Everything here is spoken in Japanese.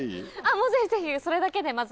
もうぜひぜひそれだけでまず。